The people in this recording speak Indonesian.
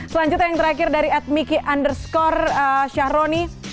selanjutnya yang terakhir dari at miki underscore syahroni